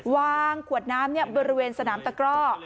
วางขวดน้ำบริเวณสนามตะกร่อ